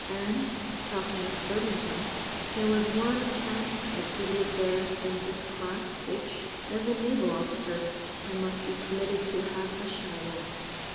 And, talking of Birmingham, there was one cat exhibited there in this class, which, as a Naval officer, I must be permitted to have a shy at.